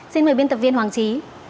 xin mời biên tập viên hoàng trí